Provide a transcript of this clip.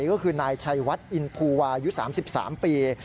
ก็คือนายชัยวัดอินภูวายุ๓๓ปี